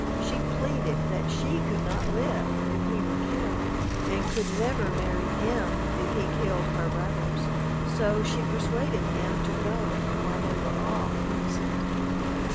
She pleaded that she could not live if he were killed and could never marry him if he killed her brothers, so she persuaded him to go while they were all innocent.